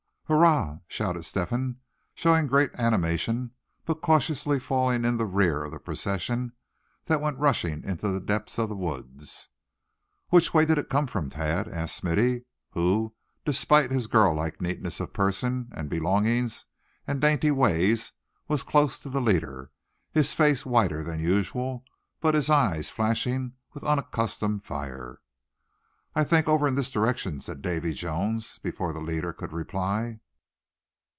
"Hurrah!" shouted Step hen, showing great animation; but cautiously falling in the rear of the procession that went rushing into the depths of the woods. "Which way did it come from, Thad?" asked Smithy; who, despite his girl like neatness of person and belongings, and dainty ways, was close to the leader, his face whiter than usual, but his eyes flashing with unaccustomed fire. "I think over in this direction," said Davy Jones, before the leader could reply.